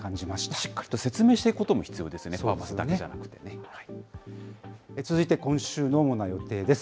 しっかりと説明していくことも必要ですね、続いて今週の主な予定です。